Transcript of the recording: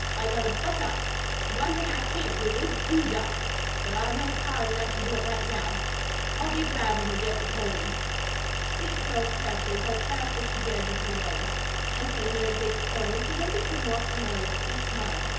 I got to buck up. The one thing I CAN'T do is to die; but I'm most tired enough to do it right now. I'll be glad when we get home." Kate drove carefully, but as fast as she dared with her load. As they neared Bates Corners, the way became more familiar each mile.